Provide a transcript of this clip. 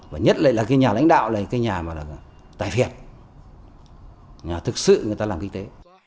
và nhất là cái nhà lãnh đạo là cái nhà tài việt nhà thực sự người ta làm kinh tế